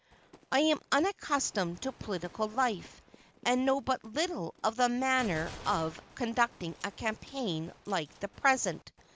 I am unaccustomed to political life, and know but little of the manner of conducting a campaign like the present.